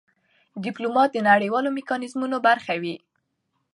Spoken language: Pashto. ډيپلومات د نړېوالو میکانیزمونو برخه وي.